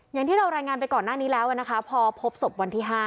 อย่างที่เรารายงานไปก่อนหน้านี้แล้วนะคะพอพบศพวันที่๕